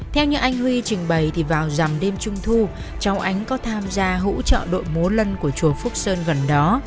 theo như anh huy trình bày thì vào giảm đêm trung thu cháu ánh có tham gia hỗ trợ đội mố lân của chùa phúc sơn gần đó